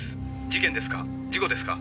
事件ですか？